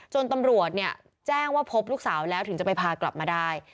ตำรวจเนี่ยแจ้งว่าพบลูกสาวแล้วถึงจะไปพากลับมาได้